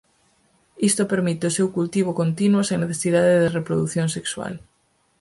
Isto permite o seu cultivo continuo sen necesidade de reprodución sexual.